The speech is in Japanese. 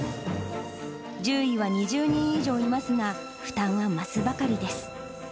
獣医は２０人以上いますが、負担は増すばかりです。